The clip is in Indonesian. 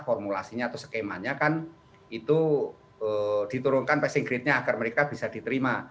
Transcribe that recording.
formulasinya atau skemanya kan itu diturunkan passing grade nya agar mereka bisa diterima